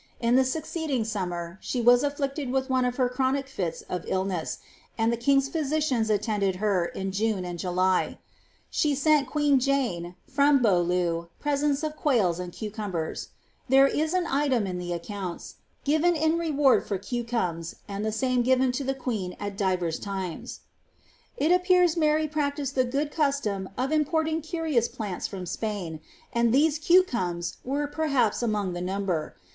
In the succeeding sommer, she waa afflicled wiAi oneef chronic fits of illness, and the king's physicians attended her in and July. She sent queen Jane, from Beaulieu, preeenta of qnaib sad cucumbers ; there is an item in the accounts, ^ given in reward for €» aunbs^ and the same given to the queen at divers timea," It appears Mary practised the good custom of importing cnrioos phafe from Spain, and these cvctcm^t were perhaps among the nooiber.